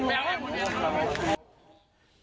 โน้อย่าร้อย